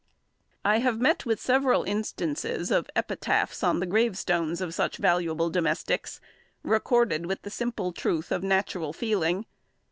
I have met with several instances of epitaphs on the gravestones of such valuable domestics, recorded with the simple truth of natural feeling.